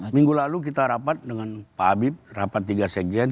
minggu lalu kita rapat dengan pak habib rapat tiga sekjen